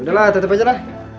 udah lah titip aja lah